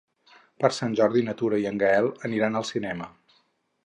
Per Sant Jordi na Tura i en Gaël aniran al cinema.